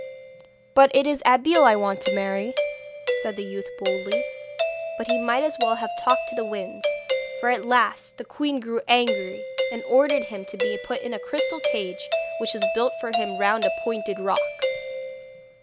'But it is Abeille I want to marry,' said the youth boldly. But he might as well have talked to the winds, for at last the queen grew angry, and ordered him to be put in a crystal cage which was built for him round a pointed rock.